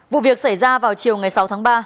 vụ việc xảy ra vào chiều sáu tháng ba